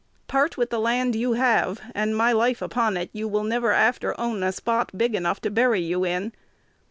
Part with the land you have, and, my life upon it, you will never after own a spot big enough to bury you in.